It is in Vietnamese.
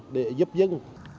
để giúp dân